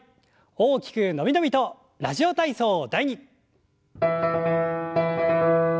大きく伸び伸びと「ラジオ体操第２」。